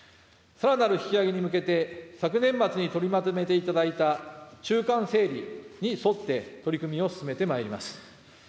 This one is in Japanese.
さらなる引き上げに向けて、昨年末に取りまとめていただいた中間整理に沿って、取り組みを進めてまいります。